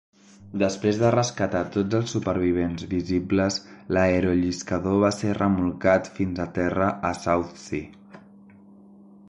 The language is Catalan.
Després de rescatar tots els supervivents visibles, l'aerolliscador va ser remolcat fins a terra a Southsea.